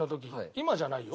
今じゃないよ。